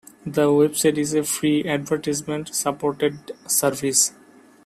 The website is a free, advertisement-supported service.